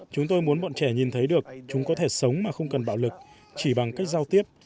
chúng tôi muốn bọn trẻ nhìn thấy được chúng có thể sống mà không cần bạo lực chỉ bằng cách giao tiếp